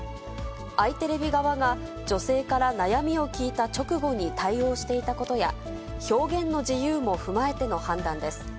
あいテレビ側が女性から悩みを聞いた直後に対応していたことや、表現の自由も踏まえての判断です。